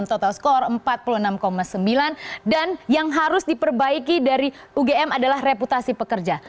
pada tahun dua ribu lima belas ke posisi satu ratus lima dengan total skor empat puluh enam sembilan dan yang harus diperbaiki dari ugm adalah reputasi pekerja